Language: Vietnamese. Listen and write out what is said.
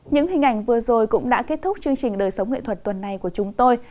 những hình ảnh vừa rồi cũng đã kết thúc chương trình đời sống nghệ thuật tuần này của chúng tôi